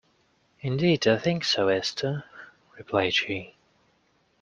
"Indeed, I think so, Esther," replied she.